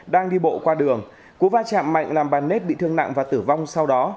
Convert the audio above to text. đang đi bộ qua đường cú va chạm mạnh làm bà nết bị thương nặng và tử vong sau đó